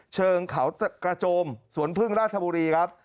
เชิงเขากระโจมสวนพึ่งราชบุรีครับ